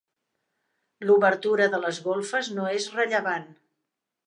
L’obertura de les golfes no és rellevant.